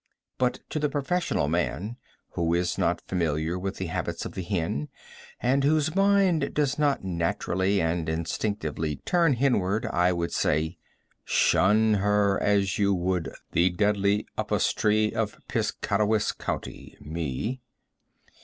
But to the professional man, who is not familiar with the habits of the hen, and whose mind does not naturally and instinctively turn henward, I would say: Shun her as you would the deadly upas tree of Piscataquis county, Me.